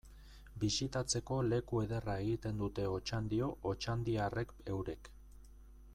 Bisitatzeko leku ederra egiten dute Otxandio otxandiarrek eurek.